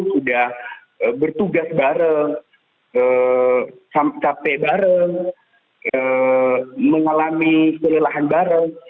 sudah bertugas bareng capek bareng mengalami kelelahan bareng